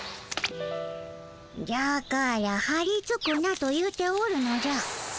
じゃからはりつくなと言うておるのじゃ。